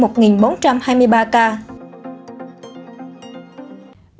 bắc ninh khẩn tìm người